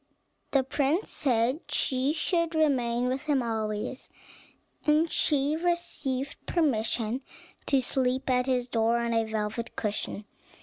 The prince said she should remain with him always, and she received permission to sleep at his door, on a velvet cushion.